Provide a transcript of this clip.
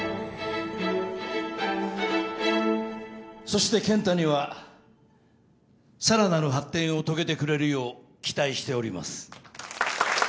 そして健太にはさらなる発展を遂げてくれるよう期待しております。